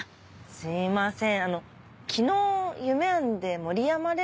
すいません。